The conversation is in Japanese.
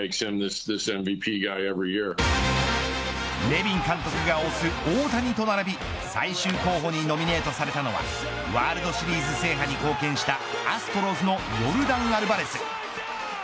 ネビン監督が推す大谷と並び最終候補にノミネートされたのはワールドシリーズ制覇に貢献したアストロズのヨルダン・アルバレス。